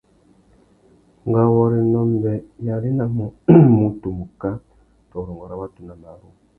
Ngawôrénô mbê i arénamú mutu muká tô urrôngô râ watu nà marru.